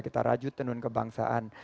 kita rajut tenun kebangsaan